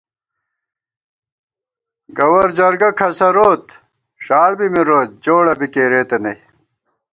گوَر جرگہ کھسَروت، ݭاڑ بی مِروت جوڑہ بی کېرېتہ نئ